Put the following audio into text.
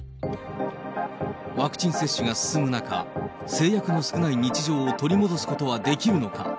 ワクチン接種が進む中、制約の少ない日常を取り戻すことはできるのか。